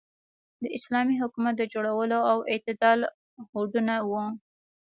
د اسلامي حکومت د جوړولو او عدالت هوډونه وو.